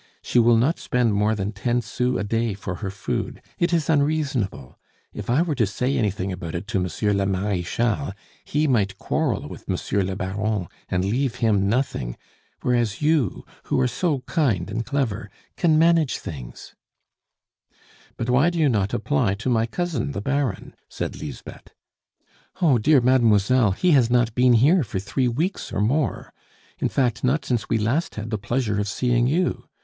She will not spend more than ten sous a day for her food. It is unreasonable. If I were to say anything about it to Monsieur le Marechal, he might quarrel with Monsieur le Baron and leave him nothing, whereas you, who are so kind and clever, can manage things " "But why do you not apply to my cousin the Baron?" said Lisbeth. "Oh, dear mademoiselle, he has not been here for three weeks or more; in fact, not since we last had the pleasure of seeing you!